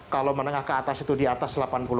kalau menengah ke atas itu di atas